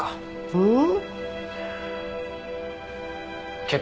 うん。